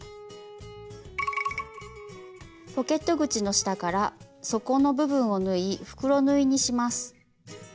ポケット口の下から底の部分を縫い袋縫いにします。